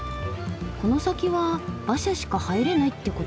この先は馬車しか入れないってことか。